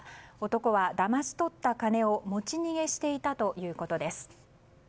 男はだまし取った金を持ち逃げしていたということです。